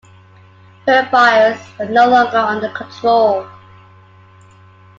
Her fires were no longer under control.